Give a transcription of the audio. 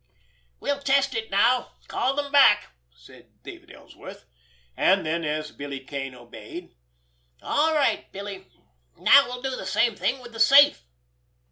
"We'll test it now—call them back," said David Ellsworth; and then, as Billy Kane obeyed: "All right, Billy. Now we'll do the same thing with the safe."